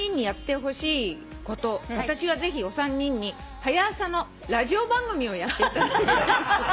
「私はぜひお三人に『はや朝』のラジオ番組をやっていただきたい」